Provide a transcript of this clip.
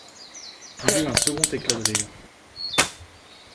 Il eut un second éclat de rire.